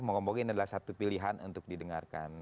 moga moga ini adalah satu pilihan untuk didengarkan